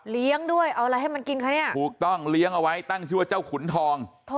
ด้วยเอาอะไรให้มันกินคะเนี่ยถูกต้องเลี้ยงเอาไว้ตั้งชื่อว่าเจ้าขุนทอง